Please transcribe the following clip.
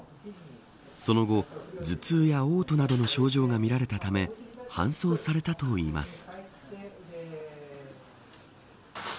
その後、頭痛や嘔吐などの症状が見られたため搬送されたといいます。